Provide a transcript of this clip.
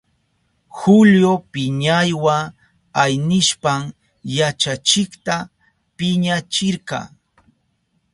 Julio piñaywa aynishpan yachachikta piñachirka.